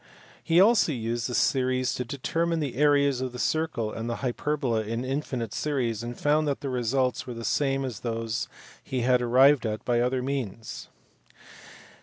He also used the series to determine the areas of the circle and the hyperbola in infinite series, and found that the results were the same as those he had arrived at by other means.